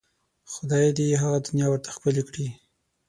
خدای دې یې هغه دنیا ورته ښکلې کړي.